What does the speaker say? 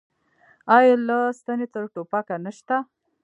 آیا له ستنې تر ټوپکه نشته؟